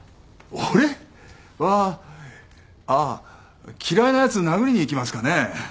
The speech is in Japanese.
俺はあっ嫌いなやつ殴りにいきますかね。